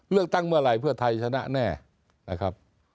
เลือกตั้งเมื่อไหร่เพื่อไทยชนะแน่นะครับ